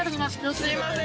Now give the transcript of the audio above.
すみません